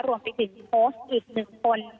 รวมไปถึงโพสต์อีก๑คน